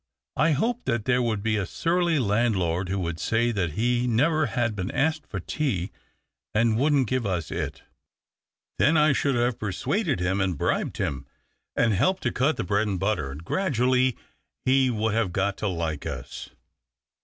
I hoped that there would be a surly landlord who would say that he never had been asked for tea and wouldn't give us it. Then I should have persuaded him, and bribed him, and helped to cut the THE OCTAVE OF CLAUDIUS. 2li5 bread and butter, and gradually lie would have got to like me."